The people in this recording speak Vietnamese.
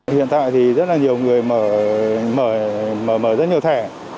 hiện tại thì rất là nhiều người mở rất nhiều thẻ